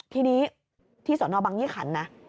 ที่นี่ที่สบยี่ขันนะ